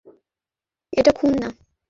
এটা খুন না।